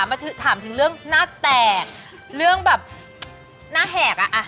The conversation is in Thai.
มาถามถึงเรื่องหน้าแตกเรื่องแบบหน้าแหกอ่ะ